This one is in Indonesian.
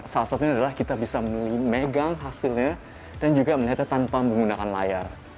salah satunya adalah kita bisa memegang hasilnya dan juga melihatnya tanpa menggunakan layar